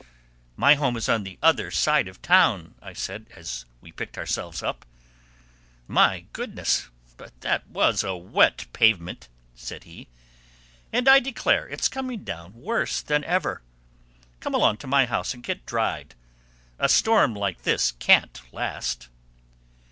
"My home is on the other side of the town," I said, as we picked ourselves up. "My Goodness, but that was a wet pavement!" said he. "And I declare it's coming down worse than ever. Come along to my house and get dried. A storm like this can't last."